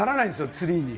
ツリーに。